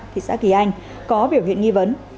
thị xã kỳ anh có biểu hiện nghi vấn